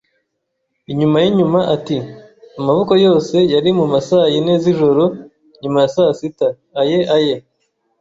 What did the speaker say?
Inyuma y'inyuma ati: "Amaboko yose yari mu ma saa yine z'ijoro nyuma ya saa sita." “Aye, aye,